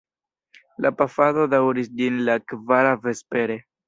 La pafado daŭris ĝis la kvara vespere.